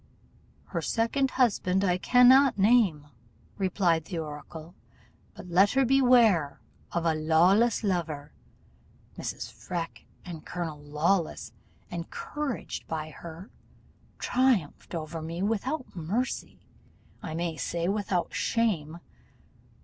'Her second husband I cannot name,' replied the oracle, 'but let her beware of a Lawless lover.' Mrs. Freke and Colonel Lawless, encouraged by her, triumphed over me without mercy I may say, without shame!